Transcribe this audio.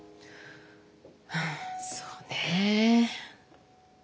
うんそうねえ。